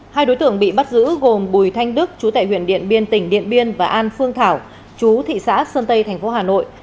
hai đối tượng bị bắt giữ gồm bùi thanh đức chú tại huyện điện biên tỉnh điện biên và an phương thảo chú thị xã sơn tây tp hà nội